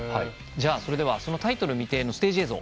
それではそのタイトル未定のステージ映像。